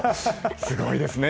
すごいですね。